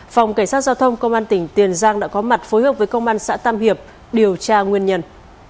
phòng cảnh sát giao thông công an tỉnh tiền giang đã có mặt phối hợp với công an xã tam hiệp điều tra nguyên nhân